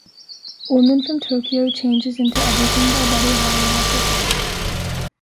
"Woman from Tokyo" changes into "Everyday" by Buddy Holly halfway through.